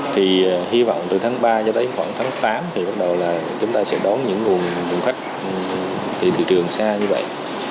thì hy vọng từ tháng ba cho đến khoảng tháng tám thì bắt đầu là chúng ta sẽ đón những nguồn khách từ thị trường xa như vậy